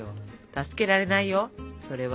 助けられないよそれは。